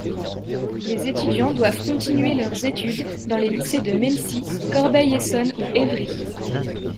Les étudiants doivent continuer leurs études dans les lycées de Mennecy, Corbeil-Essonnes ou Évry.